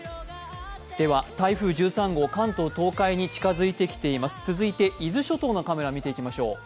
台風１３号、関東・東海に近づいています続いて伊豆諸島のカメラ、見ていきましょう。